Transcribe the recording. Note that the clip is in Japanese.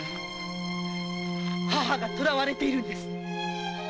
母が捕らわれているのです。